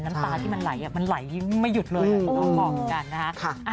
น้ำตาที่มันไหลมันไหลยิ้มไม่หยุดเลยที่น้องบอกเหมือนกันนะฮะ